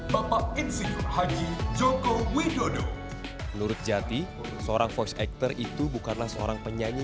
menurut jati seorang voice actor itu bukanlah seorang penyanyi